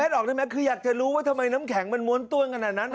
ออกได้ไหมคืออยากจะรู้ว่าทำไมน้ำแข็งมันม้วนต้วนขนาดนั้น